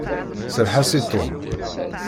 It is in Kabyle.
Serreḥ-as i Tom!